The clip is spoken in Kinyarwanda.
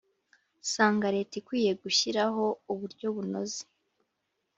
sanga Leta ikwiye gushyiraho uburyo bunoze